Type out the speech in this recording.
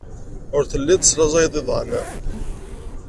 Ur telliḍ teslaẓayeḍ iḍan.